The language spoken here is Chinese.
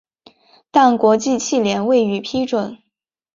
但国际汽联未予批准。